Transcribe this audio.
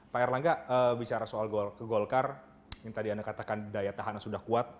pak erlangga bicara soal ke golkar yang tadi anda katakan daya tahanan sudah kuat